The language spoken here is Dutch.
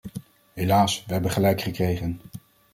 Helaas, we hebben gelijk gekregen.